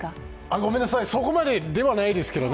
ごめんなさい、そこまでではないですけどね。